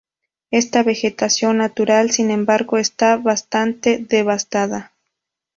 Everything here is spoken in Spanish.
Esta vegetación natural, sin embargo, está bastante devastada.